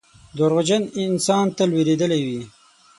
• دروغجن انسان تل وېرېدلی وي.